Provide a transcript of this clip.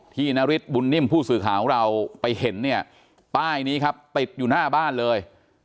นาริสบุญนิ่มผู้สื่อข่าวของเราไปเห็นเนี่ยป้ายนี้ครับติดอยู่หน้าบ้านเลย